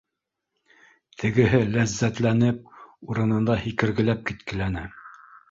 Тегеһе ләззәтләнеп, урынында һикергеләп киткеләне: